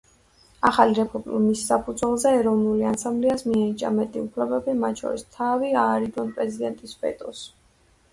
ახალი რეფორმის საფუძველზე ეროვნულ ასამბლეას მიენიჭა მეტი უფლებები, მათ შორის თავი აარიდოს პრეზიდენტის ვეტოს.